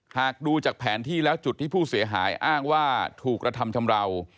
หากดูจากแผนที่แล้วจุดที่ผู้เสียหายอ้างว่าถูกกระทำชำราว